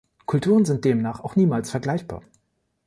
Kulturen sind demnach auch niemals vergleichbar.